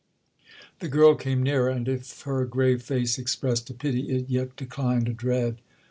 The girl came nearer, and if her grave face expressed a pity it yet declined a dread.